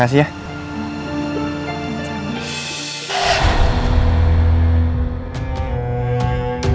hai ini kan al isr